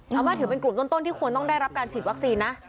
อาม่าถือเป็นกลุ่มต้นที่ควรต้องได้รับการฉีดวัคซีนนะ